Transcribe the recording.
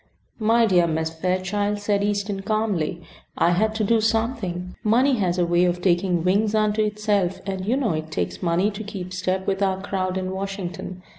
"My dear Miss Fairchild," said Easton, calmly, "I had to do something. Money has a way of taking wings unto itself, and you know it takes money to keep step with our crowd in Washington.